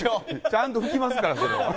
ちゃんと拭きますからそれは。